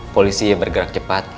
polisi bergerak cepat